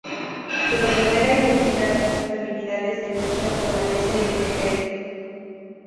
Su verdadera identidad y sus habilidades de lucha permanecen en secreto.